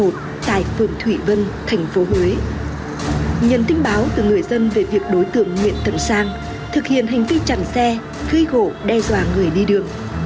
tại phường thủy vân tp huế nhân tin báo từ người dân về việc đối tượng nguyễn thần sang thực hiện hành vi chặn xe gây gỗ đe dọa người đi đường